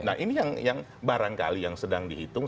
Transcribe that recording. nah ini yang barangkali yang sedang dihitung